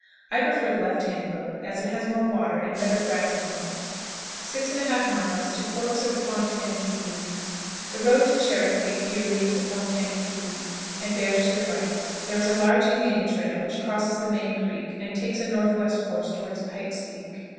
I prefer the left hand road, as it has more water and better grass upon it. 6 1/2. Forks of the "Fontaine qui Bouille." The road to Cherry Creek here leaves the "Fontaine qui Bouille" and bears to the right. There is a large Indian trail which crosses the main creek, and takes a northwest course toward "Pike's Peak."